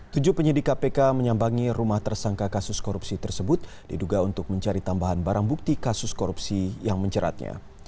tujuh penyidik kpk menyambangi rumah tersangka kasus korupsi tersebut diduga untuk mencari tambahan barang bukti kasus korupsi yang menjeratnya